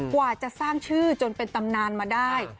กว่าจะสร้างชื่อจนเป็นตำนานมาได้